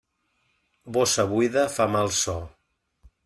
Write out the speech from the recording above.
Bossa buida fa mal so.